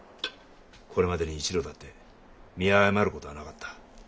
これまでに一度だって見誤る事はなかった。